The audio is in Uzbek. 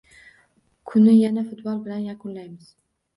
Kunni yana futbol bilan yakunlaymiz